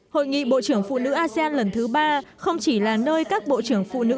hội nghị bộ trưởng phụ nữ asean lần thứ ba không chỉ là nơi các bộ trưởng phụ nữ